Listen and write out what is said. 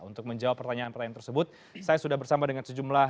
untuk menjawab pertanyaan pertanyaan tersebut saya sudah bersama dengan sejumlah